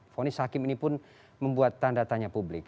fonis hakim ini pun membuat tanda tanya publik